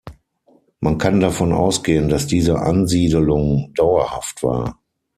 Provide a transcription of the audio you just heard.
Man kann davon ausgehen, dass diese Ansiedelung dauerhaft war.